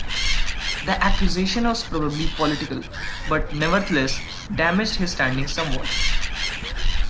The accusation was probably political, but nevertheless damaged his standing somewhat.